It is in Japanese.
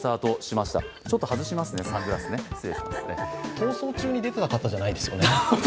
「逃走中」に出ていた方じゃないですよね。